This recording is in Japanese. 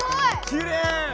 きれい！